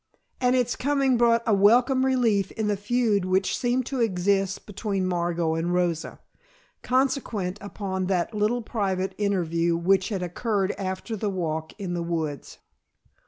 And its coming brought a welcome relief in the feud which seemed to exist between Margot and Rosa, consequent upon that little private interview which had occurred after the walk in the woods.